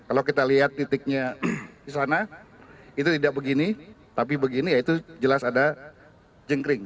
kalau kita lihat titiknya di sana itu tidak begini tapi begini ya itu jelas ada jengkring